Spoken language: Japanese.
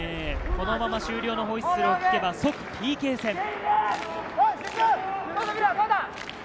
このまま終了のホイッスルを聞けば、即ＰＫ戦。